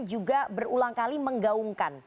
juga berulang kali menggaungkan